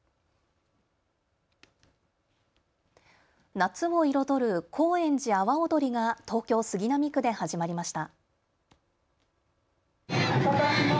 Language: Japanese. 夏を彩る高円寺阿波おどりが東京杉並区で始まりました。